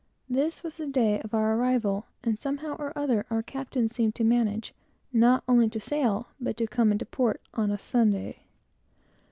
This was the day of our arrival; and somehow or other, our captain always managed not only to sail, but to come into port, on a Sunday.